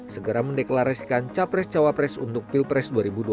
segera mendeklarasikan capres cawapres untuk pilpres dua ribu dua puluh